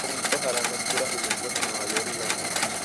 Juntos harán lecturas bilingües en Nueva York y Londres.